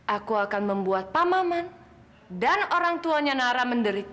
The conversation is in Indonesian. aku akan membuat pamaman dan orang tuanya nara menderita